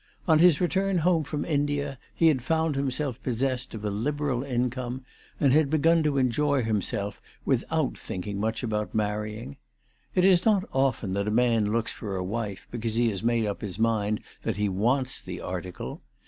On his return home from India he had found himself possessed of a liberal income, and had begun to enjoy himself without thinking much about marrying. It is not often that a man looks for a wife because he has made up his mind that he wants the article.